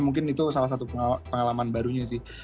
mungkin itu salah satu pengalaman barunya sih